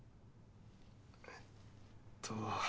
えーっと。